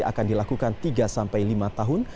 akan dilakukan tiga sampai lima tahun